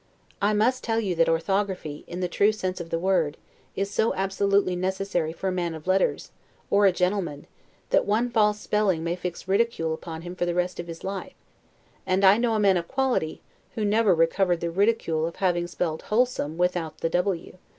I must tell you that orthography, in the true sense of the word, is so absolutely necessary for a man of letters; or a gentleman, that one false spelling may fix ridicule upon him for the rest of his life; and I know a man of quality, who never recovered the ridicule of having spelled WHOLESOME without the w.